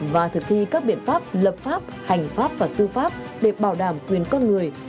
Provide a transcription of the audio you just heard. và thực thi các biện pháp lập pháp hành pháp và tư pháp để bảo đảm quyền con người